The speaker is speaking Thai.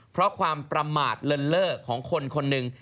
เพราะความประมาทเลินเล่อของคนคนหนึ่ง